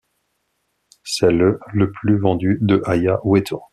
C'est le le plus vendu de Aya Ueto.